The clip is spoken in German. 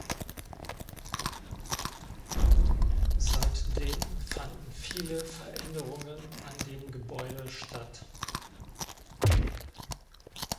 Seitdem fanden viele Veränderungen an dem Gebäude statt.